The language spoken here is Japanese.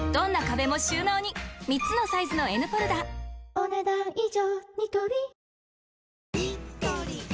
お、ねだん以上。